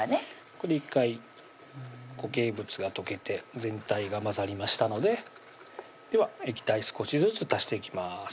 これで１回固形物が溶けて全体が混ざりましたのででは液体少しずつ足していきます